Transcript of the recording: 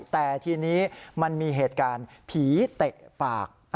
แต่ทีนี้มันมีเหตุการณ์ผีเตะปาก